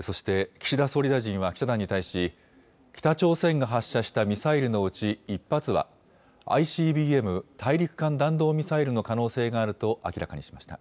そして、岸田総理大臣は記者団に対し、北朝鮮が発射したミサイルのうち１発は、ＩＣＢＭ・大陸間弾道ミサイルの可能性があると明らかにしました。